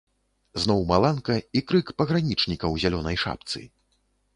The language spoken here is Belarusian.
Зноў маланка і крык пагранічніка ў зялёнай шапцы.